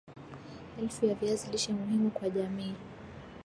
Elimu ya viazi Lishe muhimu kwa jamii